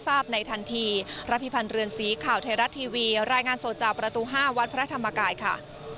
ตัวตัว๕วัดพระธรรมกายค่ะ